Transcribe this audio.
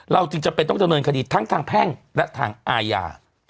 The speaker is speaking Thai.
เราจึงจำเป็นต้องเจริญคดีทั้งทางแพ่งและทางอายา